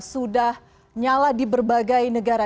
sudah nyala di berbagai negara